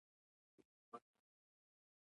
زغال د افغانستان یوه طبیعي ځانګړتیا ده.